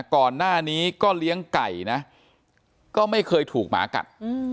ก่อนหน้านี้ก็เลี้ยงไก่นะก็ไม่เคยถูกหมากัด